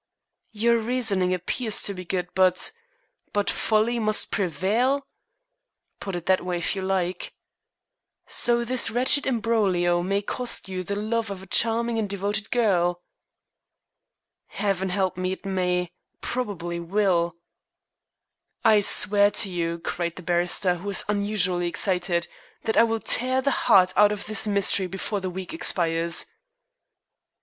"Your reasoning appears to be good, but " "But folly must prevail?" "Put it that way if you like." "So this wretched imbroglio may cost you the love of a charming and devoted girl?" "Heaven help me, it may probably will." "I swear to you," cried the barrister, who was unusually excited, "that I will tear the heart out of this mystery before the week expires."